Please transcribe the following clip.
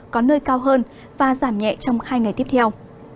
có nơi cao hơn và giảm nhẹ trong hai ngày tiếp theo